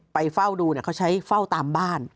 ไปเฝ้าดูเนี่ยเขาใช้เฝ้าตามบ้าน